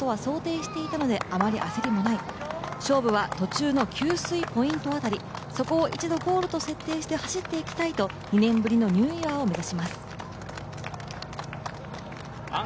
このぐらいの順位で来ることは想定していたのであまり焦りもない、勝負は途中の給水ポイント辺り、そこを一度ゴールと設定して走っていきたいと２年ぶりのニューイヤーを目指します。